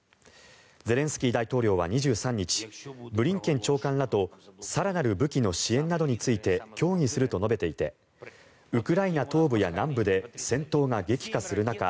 ゼレンスキー大統領は２３日ブリンケン長官らと更なる武器の支援などについて協議すると述べていてウクライナ東部や南部で戦闘が激化する中